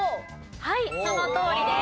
はいそのとおりです。